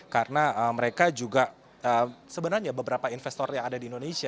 karena mereka juga sebenarnya beberapa investor yang ada di indonesia